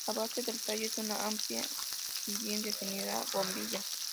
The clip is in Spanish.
La base del tallo es una amplia y bien definida "bombilla".